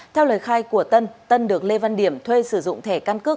theo lời khai của tân tân được lê văn điểm thuê sử dụng thẻ căn cước